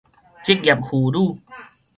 職業婦女